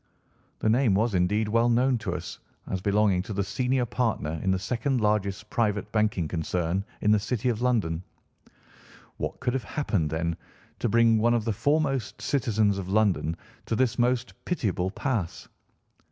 The name was indeed well known to us as belonging to the senior partner in the second largest private banking concern in the City of London. What could have happened, then, to bring one of the foremost citizens of London to this most pitiable pass?